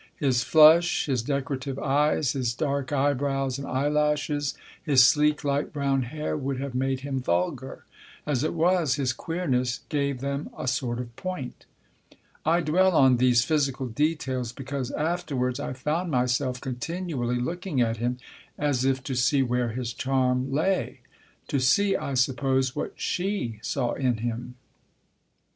His flush, his decorative eyes, his dark eyebrows and eyelashes, his sleek, light brown hair, would have made him vulgar. As it was, his queerness gave them a sort of point. I dwell on these physical details because, afterwards, I found myself continually looking at him as if to see where his charm lay. To see, I suppose, what she saw in him.